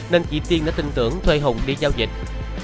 nên chị tiên đã tin tưởng thuê hùng đi giao dịch